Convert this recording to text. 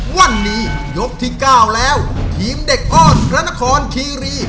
วันนี้ยกที่๙แล้วทีมเด็กอ้อนพระนครคีรี